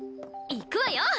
行くわよ！